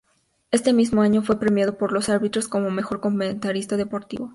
Este mismo año fue premiado por los árbitros como el "Mejor Comentarista Deportivo".